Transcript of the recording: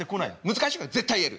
難しいけど絶対言える。